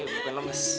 eh bukan lemes